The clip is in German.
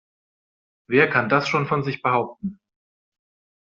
Wer kann das schon von sich behaupten?